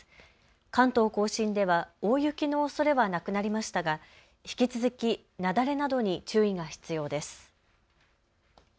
関東甲信では大雪のおそれはなくなりましたが引き続き雪崩などに注意が必要です。